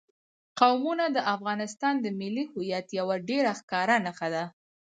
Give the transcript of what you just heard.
قومونه د افغانستان د ملي هویت یوه ډېره ښکاره نښه ده.